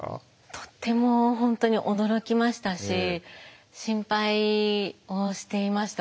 とっても本当に驚きましたし心配をしていました